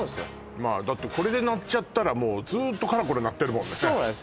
まあだってこれで鳴っちゃったらもうずっとカラコロ鳴ってるもんねそうなんです